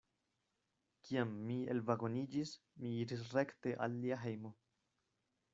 Kiam mi elvagoniĝis, mi iris rekte al lia hejmo.